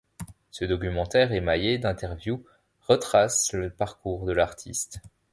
Ce documentaire émaillé d'interviews retrace le parcours de l'artiste.